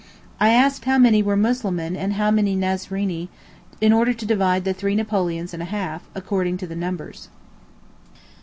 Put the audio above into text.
I asked how many were Muslimeen and how many Nazranee, in order to divide the three napoleons and a half, according to the numbers.